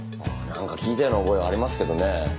なんか聞いたような覚えはありますけどね。